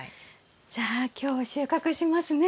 じゃあ今日収穫しますね。